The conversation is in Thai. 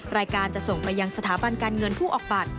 รายการจะส่งไปยังสถาบันการเงินผู้ออกบัตร